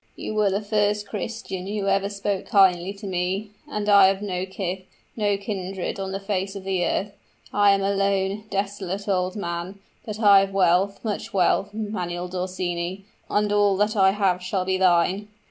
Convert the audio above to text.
"You were the first Christian who ever spoke kindly to me; and I have no kith no kindred on the face of the earth. I am a lone desolate old man; but I have wealth much wealth, Manuel d'Orsini and all that I have shall be thine."